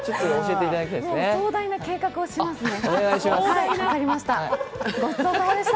壮大な計画をしますね。